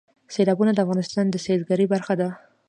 سیلابونه د افغانستان د سیلګرۍ برخه ده.